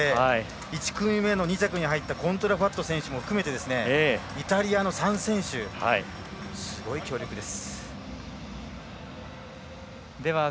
１組目の２着に入ったコントラファット選手も含めてイタリアの３選手すごい強力です。